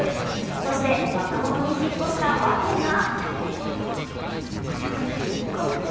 そして若者にヒットしたワケが。